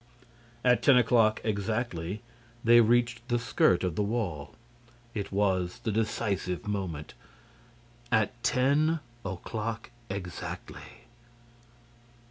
At ten o'clock exactly, they reached the skirt of wall. It was the decisive moment. At ten o'clock exactly.